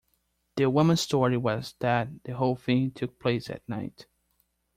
The woman's story was that the whole thing took place at night